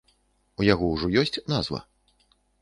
У яго ўжо ёсць назва?